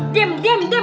diam diam diam